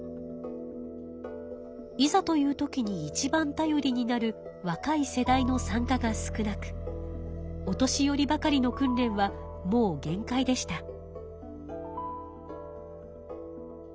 いざという時にいちばん頼りになるわかい世代の参加が少なくお年寄りばかりの訓練はもう限界でした。